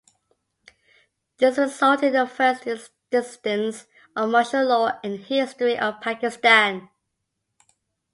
This resulted in the first instance of martial law in the history of Pakistan.